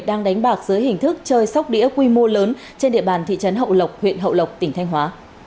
dưới hình thức chơi sóc đĩa quy mô lớn trên địa bàn thị trấn hậu lộc huyện hậu lộc tỉnh thanh hóa